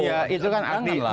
ya itu kan arti